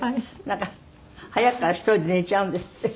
なんか早くから１人で寝ちゃうんですって？